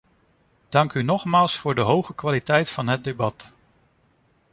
Dank u nogmaals voor de hoge kwaliteit van het debat.